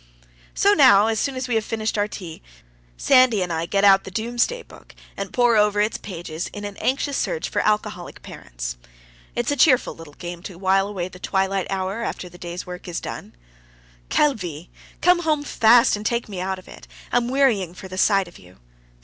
So now, as soon as we have finished our tea, Sandy and I get out the Doomsday Book, and pore over its pages in an anxious search for alcoholic parents. It's a cheerful little game to while away the twilight hour after the day's work is done. QUELLE VIE! Come home fast and take me out of it. I'm wearying for the sight of you.